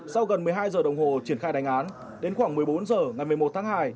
sau gần một mươi hai giờ đồng hồ triển khai đánh án đến khoảng một mươi bốn h ngày một mươi một tháng hai